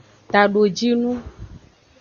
Tadojinu.